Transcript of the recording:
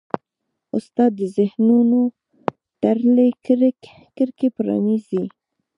استاد د ذهنونو تړلې کړکۍ پرانیزي.